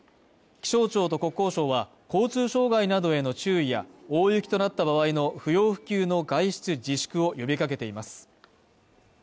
気象庁と国交省は交通障害などへの注意や、大雪となった場合の不要不急の外出自粛を呼びかけています。